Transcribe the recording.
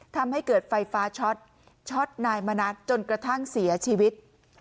ทำให้เกิดไฟฟ้าช็อตช็อตนายมณัฐจนกระทั่งเสียชีวิต